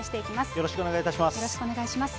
よろしくお願いします。